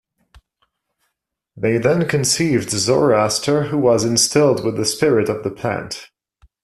They then conceived Zoroaster who was instilled with the spirit of the plant.